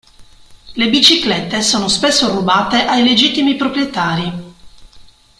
Le biciclette sono spesso rubate ai legittimi proprietari.